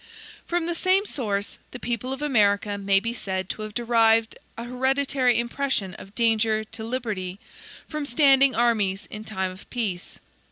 From the same source, the people of America may be said to have derived an hereditary impression of danger to liberty, from standing armies in time of peace.